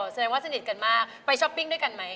แสดงว่าสนิทกันมากไปช้อปปิ้งด้วยกันไหม